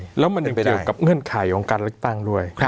ใช่แล้วมันยังเจอกับเงื่อนไขของการเล็กตั้งด้วยครับ